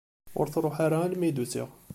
Ur truḥ ara alma i d-usiɣ.